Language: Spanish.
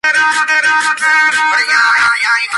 Su primer presidente fue Sveinn Björnsson.